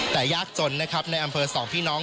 แต่ยากจนนะครับในอำเภอสองพี่น้อง